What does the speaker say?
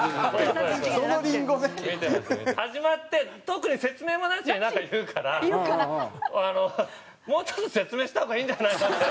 始まって特に説明もなしになんか言うからあのもうちょっと説明した方がいいんじゃないのって。